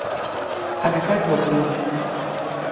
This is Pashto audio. حرکت وکړي.